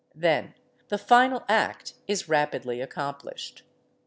Then the final act is fig. 148. rapidly accomplished.